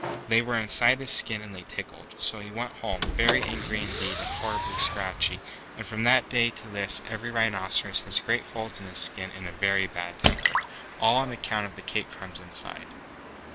They were inside his skin and they tickled. So he went home, very angry indeed and horribly scratchy; and from that day to this every rhinoceros has great folds in his skin and a very bad temper, all on account of the cake crumbs inside.